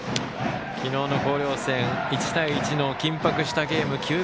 昨日の広陵戦１対１の緊迫したゲーム。